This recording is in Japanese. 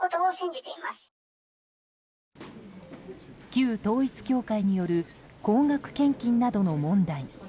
旧統一教会による高額献金などの問題。